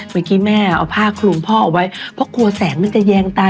เมื่อกี้แม่เอาผ้าคลุมพ่อเอาไว้เพราะกลัวแสงมันจะแยงตาย